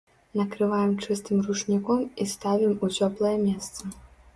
Накрываем чыстым ручніком і ставім у цёплае месца.